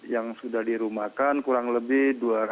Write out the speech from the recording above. yang sudah dirumahkan kurang lebih dua ratus empat puluh tujuh